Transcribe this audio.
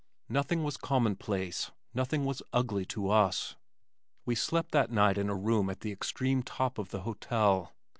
Nothing was commonplace, nothing was ugly to us. We slept that night in a room at the extreme top of the hotel.